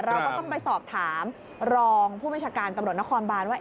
เราก็ต้องไปสอบถามรองผู้มจการกำหนดนครบาลว่า